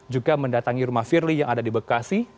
juga mendatangi rumah firly yang ada di bekasi